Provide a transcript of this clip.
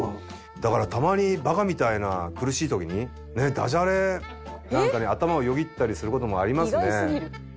だからたまにバカみたいな苦しい時にねダジャレなんか頭をよぎったりする事もありますね。